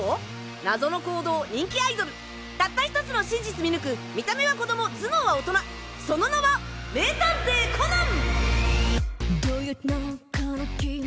謎の行動人気アイドルたった１つの真実見抜く見た目は子供頭脳は大人その名は名探偵コナン！